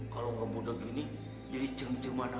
kalau nggak budeg gini jadi cerm cerm mana